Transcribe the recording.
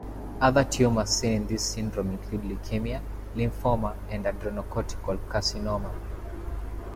Other tumours seen in this syndrome include leukemia, lymphoma and adrenocortical carcinoma.